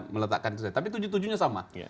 meletakkan itu saja tapi tujuh tujuh nya sama